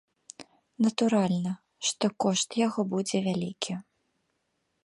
Натуральна, што кошт яго будзе вялікі.